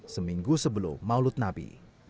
seminggu sebelum maulud nabi